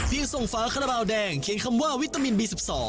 เพียงทรงฝาคาระเบาแดงเขียนคำว่าวิตามินบี๑๒